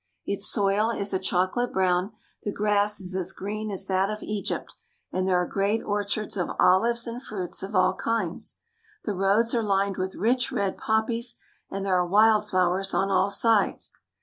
Its soil is a chocolate brown, the grass is as green as that of Egypt, and there are great orchards of olives and fruits of all kinds. The roads are lined with rich red poppies and there are wild flowers on all sides.